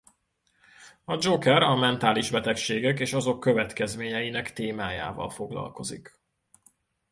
A Joker a mentális betegségek és azok következményeinek témájával foglalkozik.